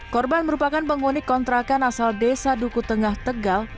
korban merupakan pengonik kontrakan asal desa duku tengah tegal